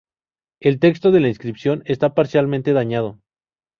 El texto de la inscripción está parcialmente dañado.